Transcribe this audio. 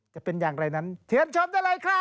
จะเป็นอย่างไรนั้นเชิญชมได้เลยครับ